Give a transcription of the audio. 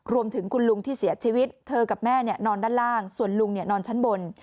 รวมถึงคุณลุงที่เสียชีวิตเธอกับแม่นอนด้านล่างส่วนลุงนอนชั้นบน